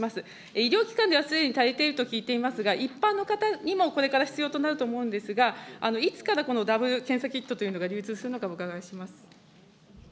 医療機関ではすでに足りていると聞いていますが、一般の方にも、これから必要となると思うんですが、いつからこのダブル検査キットというのが流通するのかお伺いしま